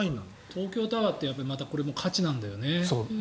東京タワーってこれもまた価値なんだよね。